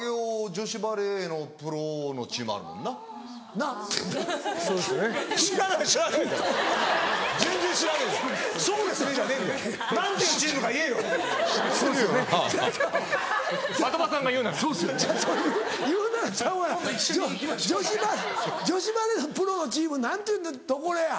女子バレーのプロのチーム何ていうところや？